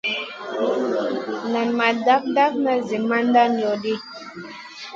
Nay ma daf dafna zi mandan ŋol lo ɗi.